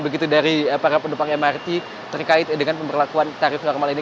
begitu dari para penumpang mrt terkait dengan pemberlakuan tarif normal ini